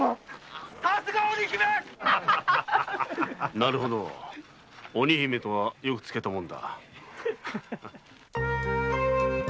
なるほど「鬼姫」とはよくつけたものだ。